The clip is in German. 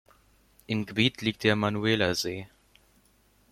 Im Gebiet liegt der Manuela-See.